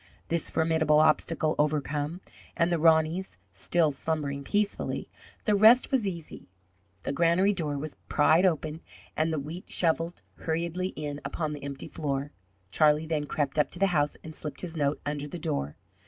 This formidable obstacle overcome and the Roneys still slumbering peacefully, the rest was easy. The granary door was pried open and the wheat shovelled hurriedly in upon the empty floor. Charlie then crept up to the house and slipped his note under the door.